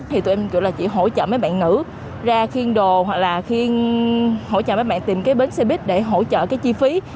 thì tụi em gọi là chỉ hỗ trợ mấy bạn nữ ra khiên đồ hoặc là khiên hỗ trợ mấy bạn tìm cái bến xe buýt để hỗ trợ cái chi phí